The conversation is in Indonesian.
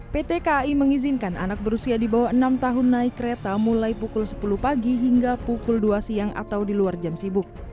pt kai mengizinkan anak berusia di bawah enam tahun naik kereta mulai pukul sepuluh pagi hingga pukul dua siang atau di luar jam sibuk